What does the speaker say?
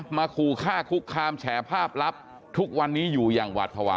ขู่ฆ่าคุกคามแฉภาพลับทุกวันนี้อยู่อย่างหวาดภาวะ